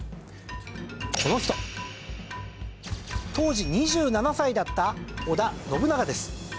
当時２７歳だった織田信長です。